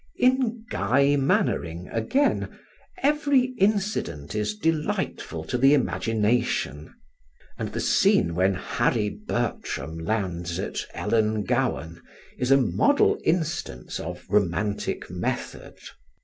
In Guy Mannering, again, every incident is delightful to the imagination; and the scene when Harry Bertram lands at Ellangowan is a model instance of romantic method.